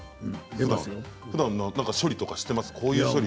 ふだん処理とかしていますか？